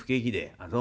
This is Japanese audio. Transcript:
「あっそう？